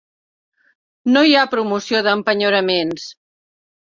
No hi ha promoció d'empenyoraments.